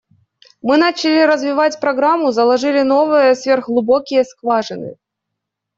Мы начали развивать программу, заложили новые сверхглубокие скважины.